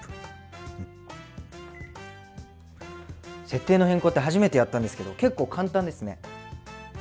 設定の変更って初めてやったんですけど結構簡単ですね。